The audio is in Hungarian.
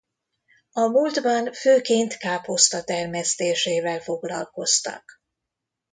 A múltban főként káposzta termesztésével foglalkoztak.